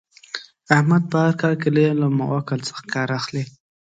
احمد په هر کار کې له علم او عقل څخه کار اخلي.